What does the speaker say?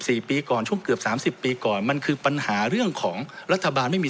ปีก่อนช่วงเกือบสามสิบปีก่อนมันคือปัญหาเรื่องของรัฐบาลไม่มี